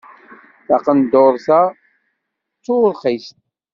Taqendurt-a d turxist.